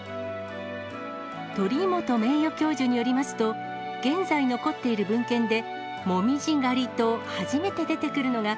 鳥居本名誉教授によりますと、現在残っている文献で紅葉狩りと初めて出てくるのが、